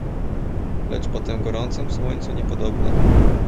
"Lecz po tem gorącem słońcu niepodobna."